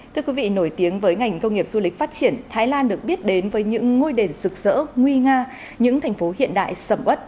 thưa quý vị nổi tiếng với ngành công nghiệp du lịch phát triển thái lan được biết đến với những ngôi đền rực rỡ nguy nga những thành phố hiện đại sầm ất